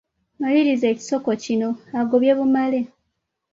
Maliriza ekisoko kino: Agobye bumale, …..